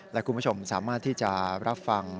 และคุณผู้ชมสามารถที่จะรับฟัง